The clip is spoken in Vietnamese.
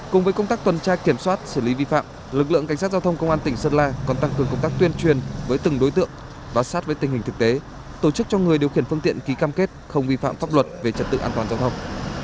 cùng với công tác tuần tra kiểm soát xử lý vi phạm lực lượng cảnh sát giao thông công an tỉnh sơn la còn tăng cường công tác tuyên truyền với từng đối tượng và sát với tình hình thực tế tổ chức cho người điều khiển phương tiện ký cam kết không vi phạm pháp luật về trật tự an toàn giao thông